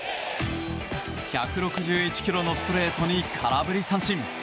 １６１キロのストレートに空振り三振。